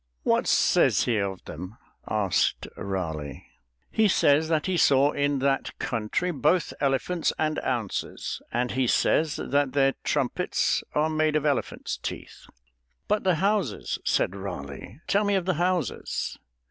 "What says he of them?" asked Raleigh. "He says that he saw in that country both elephants and ounces; and he says that their trumpets are made of elephants' teeth." "But the houses," said Raleigh; "tell me of the houses."